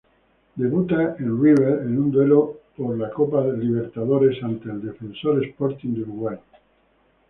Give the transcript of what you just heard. Debuta en River en un duelo por Copa Libertadores ante Defensor Sporting de Uruguay.